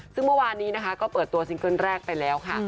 ซึ่งเมื่อวานนี้นะคะก็เปิดตัวซิงเกิ้ลแรกไปแล้วค่ะ